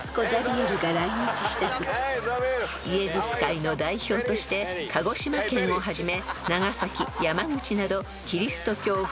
［イエズス会の代表として鹿児島県をはじめ長崎山口などキリスト教布教に励みました］